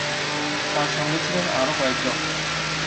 তার সঙ্গে ছিলেন আরও কয়েকজন।